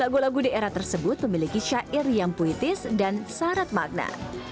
lagi lagi musik tersebut memiliki syair yang puitis dan syarat magna